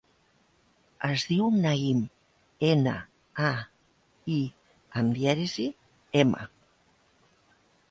Es diu Naïm: ena, a, i amb dièresi, ema.